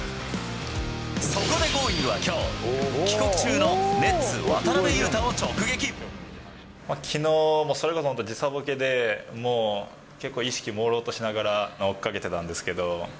そこでＧｏｉｎｇ！はきょう、帰国中のネッツ、きのうもそれこそ本当、時差ボケで、もう結構、意識もうろうとしながら追っかけてたんですけど。